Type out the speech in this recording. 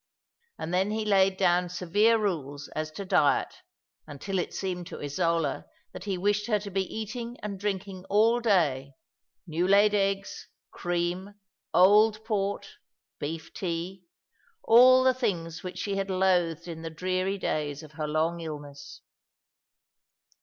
And then he laid down severe rules as to diet, until it seemed to Isola that he wished her to be eating and drinking all day — new laid eggs, cream, old port, beef tea — all the things which she had loathed in the dreary days of her long illness.